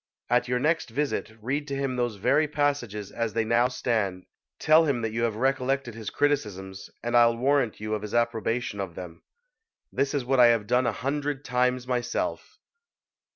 At your next visit, read to him those very passages as they now stand; tell him that you have recollected his criticisms; and I'll warrant you of his approbation of them. This is what I have done a hundred times myself."